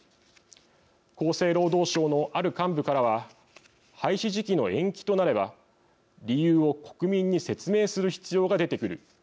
厚生労働省の、ある幹部からは廃止時期の延期となれば理由を国民に説明する必要が出てくる。